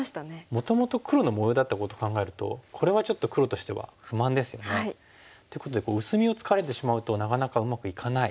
もともと黒の模様だったことを考えるとこれはちょっと黒としては不満ですよね。っていうことで薄みをつかれてしまうとなかなかうまくいかない。